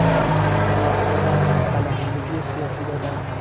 پناه دادن، پناهندگی سیاسی دادن